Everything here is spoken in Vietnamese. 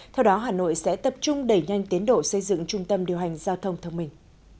theo đó hà nội sẽ tập trung đẩy nhanh tiến độ xây dựng trung tâm điều hành giao thông thông minh